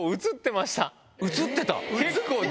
映ってた⁉